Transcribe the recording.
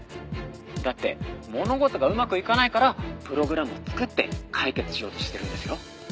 「だって物事がうまくいかないからプログラムを作って解決しようとしてるんですよ」